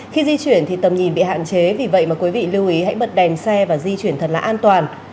khi di chuyển thì tầm nhìn bị hạn chế vì vậy mà quý vị lưu ý hãy bật đèn xe và di chuyển thật là an toàn